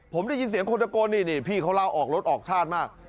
ผมได้ยินเสียงคนตะโกนนี่พี่เขาเล่าออกรถออกชาติมาก